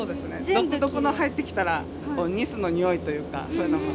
独特の入ってきたらニスのにおいというかそういうのが。